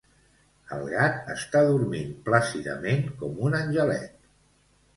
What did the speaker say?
El gat està dormint plàcidament, com un angelet.